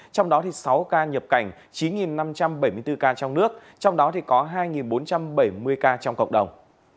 trong đó sáu ca nhập cảnh chín năm trăm bảy mươi bốn ca trong nước trong đó có hai bốn trăm bảy mươi ca trong cộng đồng